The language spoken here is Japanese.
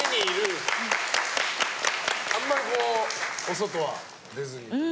あんまり、お外は出ずに？